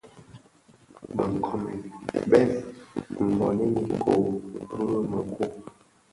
Bë nkoomèn bèn nbonèn iko bi mëku.